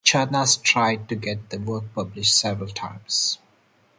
Charnas tried to get the work published several times.